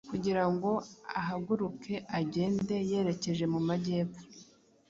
kugira ngo “ahaguruke agende yerekeje mu majyepfo,